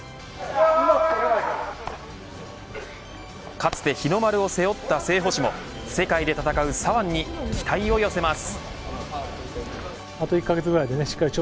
かつて日の丸を背負った正捕手も世界で戦う左腕に期待を寄せます。